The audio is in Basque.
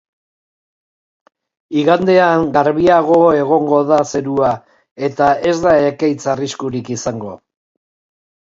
Igandean, garbiago egongo da zerua, eta ez da ekaitz arriskurik izango.